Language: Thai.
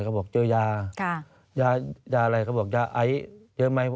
เขาบอกเจอยายาอะไรเขาบอกยาไอเจอไหม